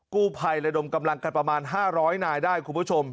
กู้ภัยระดมกำลังกันประมาณ๕๐๐นายได้คุณผู้ชม